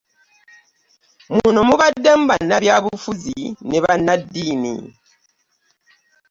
Muno mubaddemu bannabyabufuzi ne bannaddiini